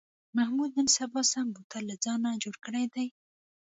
محمود نن سبا سم بوتل له ځانه جوړ کړی دی.